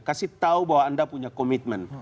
kasih tahu bahwa anda punya komitmen